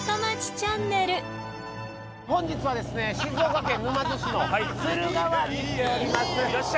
本日はですね、静岡県沼津市の駿河湾に来ています。